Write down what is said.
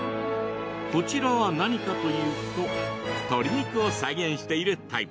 こちらは何かというと鶏肉を再現しているタイプ。